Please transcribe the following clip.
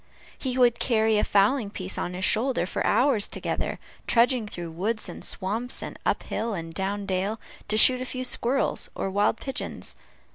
He would carry a fowling piece on his shoulder, for hours together, trudging through woods and swamps, and up hill and down dale, to shoot a few squirrels or wild pigeons.